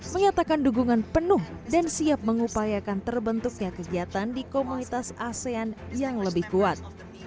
menyatakan dukungan penuh dan siap mengupayakan terbentuknya kegiatan di komunitas asean yang lebih kuat